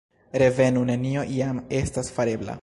Revenu, nenio jam estas farebla!